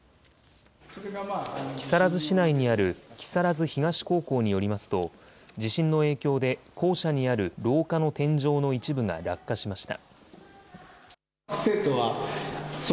木更津市内にある木更津東高校によりますと地震の影響で校舎にある廊下の天井の一部が落下しました。